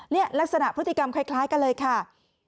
นี่ลักษณะพฤติกรรมคล้ายกันเลยค่ะ